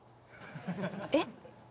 えっ？